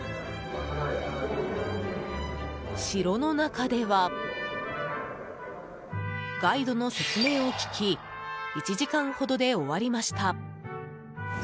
城の中ではガイドの説明を聞き１時間ほどで終わりました。